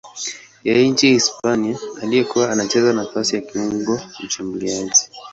ya nchini Hispania aliyekuwa anacheza nafasi ya kiungo mshambuliaji.